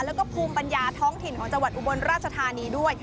แล้วก็ภูมิปัญญาท้องถิ่นของจังหวัดอุบลราชธานีด้วย